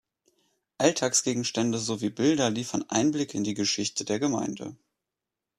Alltagsgegenstände sowie Bilder liefern Einblicke in die Geschichte der Gemeinde.